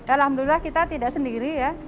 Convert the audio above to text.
alhamdulillah kita tidak sendiri ya